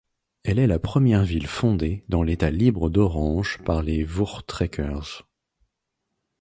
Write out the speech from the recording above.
Elle est la première ville fondée dans l'état libre d'Orange par les Voortrekkers.